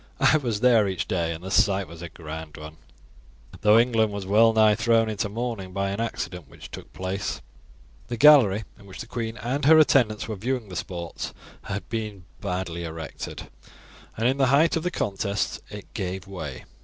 I was there each day and the sight was a grand one, though England was well nigh thrown into mourning by an accident which took place. The gallery in which the queen and her attendants were viewing the sports had been badly erected, and in the height of the contests it gave way.